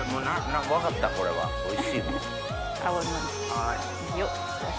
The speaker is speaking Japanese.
分かったこれはおいしいもう。